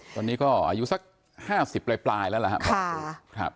ตอนนี้ก็อายุสัก๕๐ปลายแล้วล่ะครับ